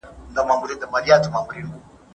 آیا پروردګار خپل حق چا ته بخښي؟